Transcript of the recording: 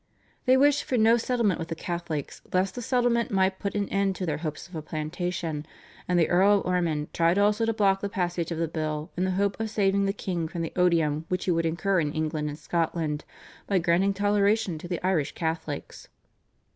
They wished for no settlement with the Catholics lest a settlement might put an end to their hopes of a plantation, and the Earl of Ormond tried also to block the passage of the bill in the hope of saving the king from the odium which he would incur in England and Scotland by granting toleration to the Irish Catholics.